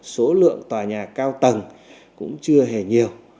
số lượng tòa nhà cao tầng cũng chưa hề nhiều